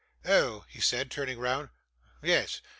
'Oh!' he said, turning round, 'yes.